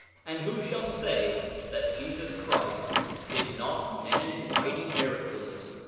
9:18 And who shall say that Jesus Christ did not many mighty miracles?